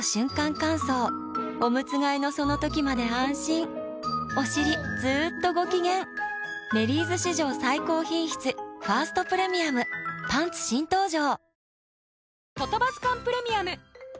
乾燥おむつ替えのその時まで安心おしりずっとご機嫌「メリーズ」史上最高品質「ファーストプレミアム」パンツ新登場！